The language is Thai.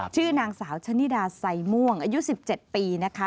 ชื่อนางสาวชะนิดาไซม่วงอายุ๑๗ปีนะคะ